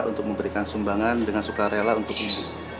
untuk memberikan sumbangan dengan sukarela untuk ibu